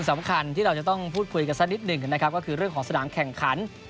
สำคัญที่เราจะต้องพูดคุยกันสักนิดหนึ่งนะครับก็คือเรื่องของสนามแข่งขัน